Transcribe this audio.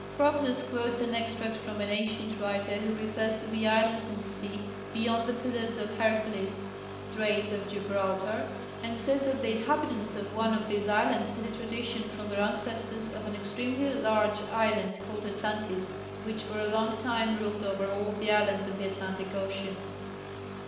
Proclus quotes an extract from an ancient writer who refers to the islands in the sea beyond the Pillars of Hercules (Straits of Gibraltar), and says that the inhabitants of one of these islands had a tradition from their ancestors of an extremely large island called Atlantis, which for a long time ruled over all the islands of the Atlantic Ocean.